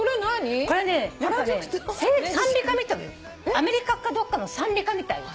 アメリカかどっかの賛美歌みたいよ。